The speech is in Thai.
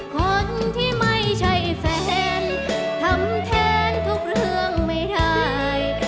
คนที่ไม่ใช่แฟนทำแทนทุกเรื่องไม่ได้